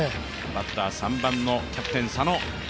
バッター３番のキャプテン佐野。